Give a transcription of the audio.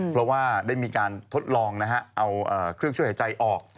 เพราะว่าได้มีการทดลองเอาเครื่องช่วยหายใจออก